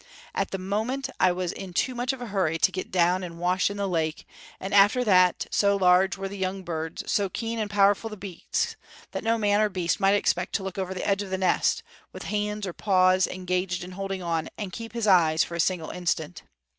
At the moment I was in too much of a hurry to get down and wash in the lake; and after that, so large were the young birds, so keen and powerful the beaks, that no man or beast might expect to look over the edge of the nest, with hands or paws engaged in holding on, and keep his eyes for a single instant.